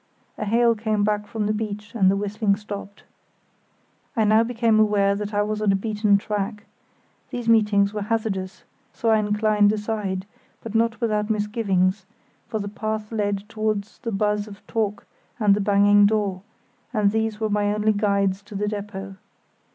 A hail came back from the beach and the whistling stopped. I now became aware that I was on a beaten track. These meetings were hazardous, so I inclined aside, but not without misgivings, for the path led towards the buzz of talk and the banging door, and these were my only guides to the depôt.